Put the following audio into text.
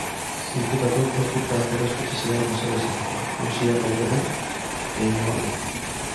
Inputatuek bost urte arteko espetxe zigorra jaso lezakete, auziak aurrera egingo balu.